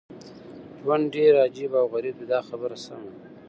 ژوند ډېر عجیب او غریب دی دا خبره سمه ده.